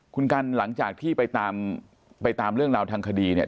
คุณกันหลังจากที่ไปตามไปตามเรื่องราวทางคดีเนี่ย